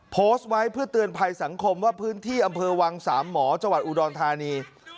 โพสต์ไว้เพื่อเตือนภัยสังคมว่าพื้นที่อำเภอวังสามหมอจังหวัดอุดรธานี